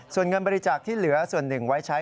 ส่วนเงินบริจาคที่เหลือส่วนหนึ่งไว้ใช้